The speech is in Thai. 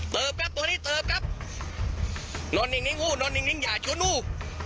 เติบครับตัวนี้เติบครับนอนิงนิงหู้นอนิงนิงอย่าชวนหู้